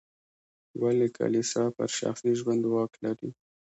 ولې کلیسا پر شخصي ژوند واک لري.